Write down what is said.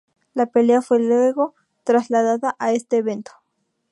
La pelea fue luego trasladada a este evento.